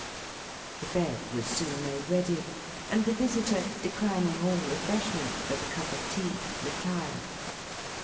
The bed was soon made ready; and the visitor, declining all refreshment but a cup of tea, retired.